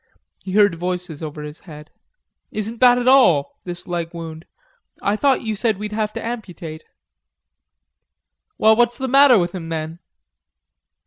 He heard voices over his head. "Isn't bad at all... this leg wound.... I thought you said we'd have to amputate?" "Well, what's the matter with him, then?"